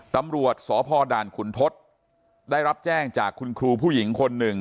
ตำรวจสพด่านขุนทศได้รับแจ้งจากคุณครูผู้หญิงคนหนึ่ง